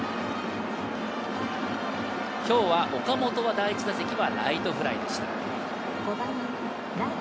今日は、岡本は第１打席はライトフライでした。